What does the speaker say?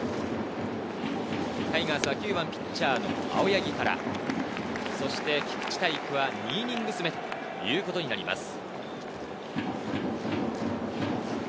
タイガースは９番ピッチャーの青柳から菊地大稀は２イニングス目ということになります。